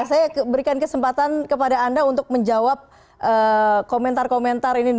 saya berikan kesempatan kepada anda untuk menjawab komentar komentar ini